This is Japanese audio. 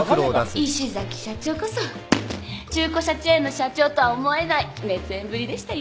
石崎社長こそ中古車チェーンの社長とは思えない熱演ぶりでしたよ。